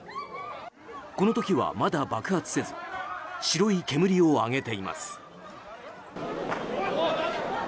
この時はまだ爆発せず白い煙を上げています。